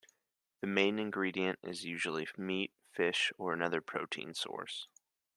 The main ingredient is usually meat, fish or another protein source.